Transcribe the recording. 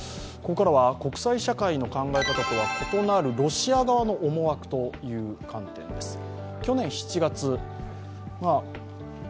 ここからは国際社会の考え方とは異なるロシア側の思惑という観点です。